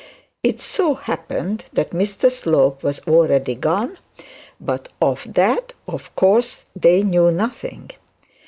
It so happened that Mr Slope was already gone, but of that of course they knew nothing.